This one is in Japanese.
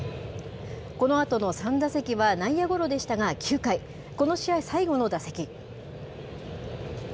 このあとの３打席は内野ゴロでしたが、９回、この試合最後の打席。